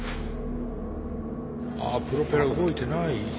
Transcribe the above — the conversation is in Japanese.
あプロペラ動いてない。